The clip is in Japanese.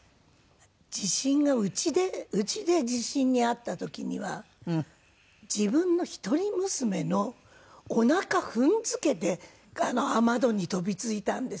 地震がうちでうちで地震に遭った時には自分の一人娘のおなか踏ん付けて雨戸に跳び付いたんですよ。